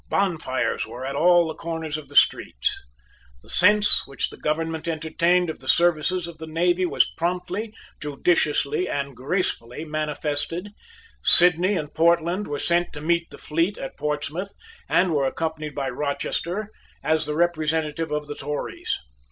Bonfires were at all the corners of the streets. The sense which the government entertained of the services of the navy was promptly, judiciously and gracefully manifested. Sidney and Portland were sent to meet the fleet at Portsmouth, and were accompanied by Rochester, as the representative of the Tories.